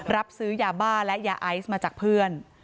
รับซื้อยาบ้าและยาไอซ์มาจากเพื่อน